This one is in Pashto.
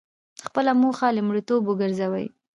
خپله موخه لومړیتوب وګرځوئ.